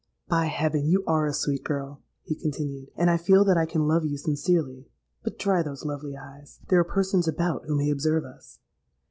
—'By heaven! you are a sweet girl,' he continued; 'and I feel that I can love you sincerely. But dry those lovely eyes: there are persons about who may observe us.'